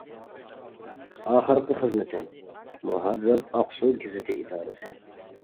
ئاخىرقى خىزمىتى: مۇھەررىر، ئاقسۇ گېزىتى ئىدارىسى.